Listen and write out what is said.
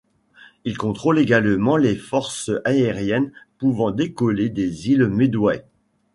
Il contrôle également les forces aériennes pouvant décollées des îles Midway.